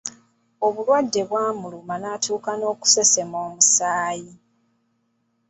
Obulwadde bw’amuluma n’atuuka n’okusesema omusaayi.